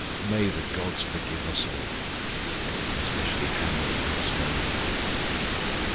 . May the gods forgive us all, — especially Hana the housemaid !